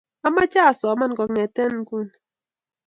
Amache asoman kong'ete inguni